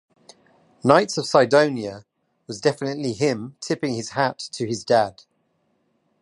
'Knights of Cydonia' was definitely him tipping his hat to his dad.